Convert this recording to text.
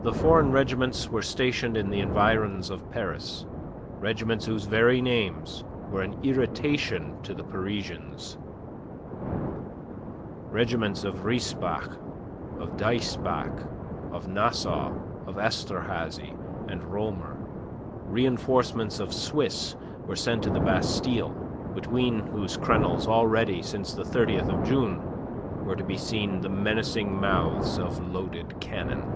The foreign regiments were stationed in the environs of Paris, regiments whose very names were an irritation to the Parisians, regiments of Reisbach, of Diesbach, of Nassau, Esterhazy, and Roehmer. Reenforcements of Swiss were sent to the Bastille between whose crenels already since the 30th of June were to be seen the menacing mouths of loaded cannon.